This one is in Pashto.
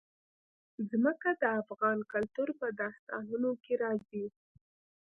ځمکه د افغان کلتور په داستانونو کې راځي.